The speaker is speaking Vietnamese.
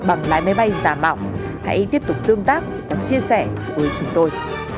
bằng lái máy bay giả mạo hãy tiếp tục tương tác và chia sẻ với chúng tôi